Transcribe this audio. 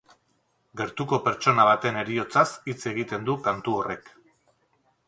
Gertuko pertsona baten heriotzaz hitz egiten du kantu horrek.